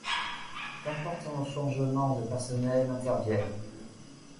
D'importants changements de personnel interviennent.